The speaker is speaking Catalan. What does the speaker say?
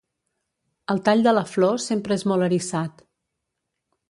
El tall de la flor sempre és molt eriçat.